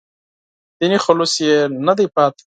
دیني خلوص یې نه دی پاتې.